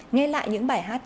nghe lại những bài hát